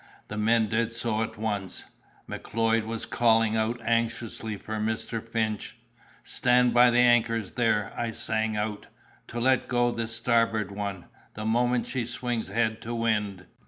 The men did so at once. Macleod was calling out anxiously for Mr. Finch. 'Stand by the anchors there!' I sang out, 'to let go the starboard one, the moment she swings head to wind!